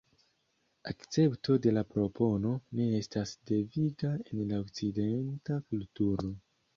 Akcepto de la propono ne estas deviga en la okcidenta kulturo.